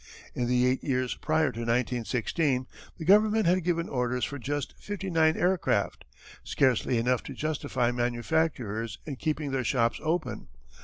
In the eight years prior to 1916 the government had given orders for just fifty nine aircraft scarcely enough to justify manufacturers in keeping their shops open.